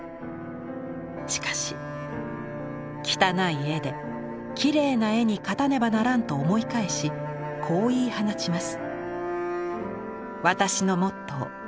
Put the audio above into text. しかし「穢い絵で綺麗な絵に勝たねばならん」と思い返しこう言い放ちます。